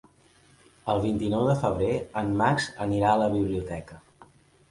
El vint-i-nou de febrer en Max anirà a la biblioteca.